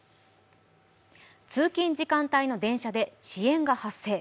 通勤時間帯の電車で遅延が発生。